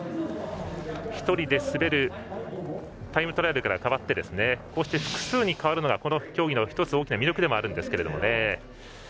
１人で滑るタイムトライアルから変わってこうして、複数に変わるのがこの競技の魅力でもあるんですけれども。